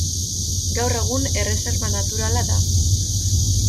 Gaur egun erreserba naturala da.